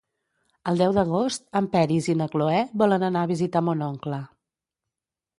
El deu d'agost en Peris i na Cloè volen anar a visitar mon oncle.